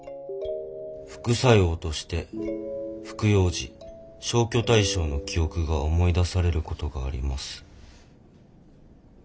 副作用として服用時消去対象の記憶が思い出されることがあります」って。